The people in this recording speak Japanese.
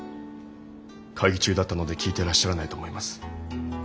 会議中だったので聞いていらっしゃらないと思います。